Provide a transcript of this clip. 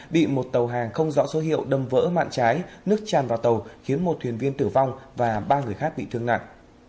bị một tàu hàng không rõ số hiệu đâm vỡ mạng trái nước tràn vào tàu khiến một thuyền viên tử vong và ba người khác bị thương nặng